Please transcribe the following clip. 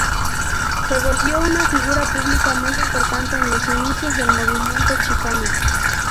Se volvió una figura pública muy importante en los inicios del Movimiento Chicano.